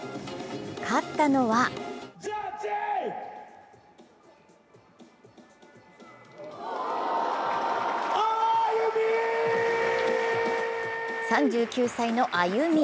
勝ったのは、３９歳のＡＹＵＭＩ。